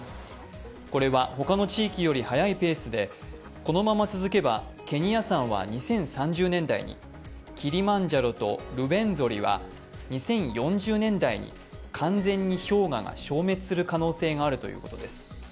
これは他の地域より速いペースで、このまま続けばケニア山は２０３０年代にキリマンジャロとルウェンゾリは完全に氷河が消滅する可能性があるということです。